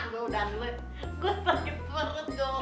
gue sakit perut dong